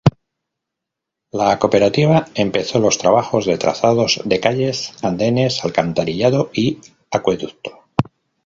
La Cooperativa empezó los trabajos de trazados de calles, andenes, alcantarillado y acueducto.